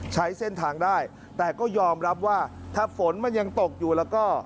ใช้เส้นทางได้แต่ก็ยอมรับว่าถ้าฝนมันยังตกอยู่แล้วก็